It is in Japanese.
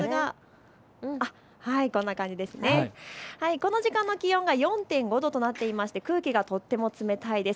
この時間の気温が４．５度となっていまして空気がとっても冷たいです。